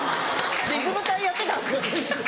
リズム隊やってたんですか？